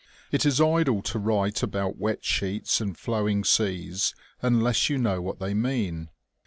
It is idle to write about wet sheets and flowing seas unless you know what they mean.